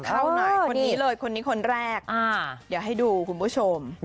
เข้าหน่อยคนนี้เลยคนนี้คนแรกเดี๋ยวให้ดูคุณผู้ชม